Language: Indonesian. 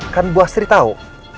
kan bu astri tau